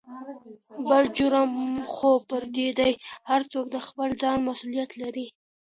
بل جرم خو فردي دى هر څوک دخپل ځان مسولېت لري.